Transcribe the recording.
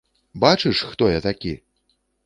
Бачыш, хто я такі?